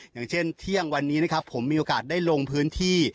อย่างเช่นเที่ยงวันนี้นะครับผมมีโอกาสได้ลงพื้นที่